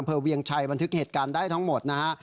เวียงชัยบันทึกเหตุการณ์ได้ทั้งหมดนะฮะ